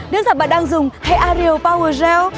nước giặt bạn đang dùng hay ariel power gel